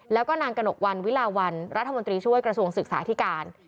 แล้วก็นางกระหนกวันวิลาวันรัฐมนตรีช่วยกระทรวงศึกษาธิการ